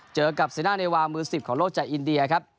เจอกับเซน่าเนวามือ๑๐ของโลกจากอินเดียครับ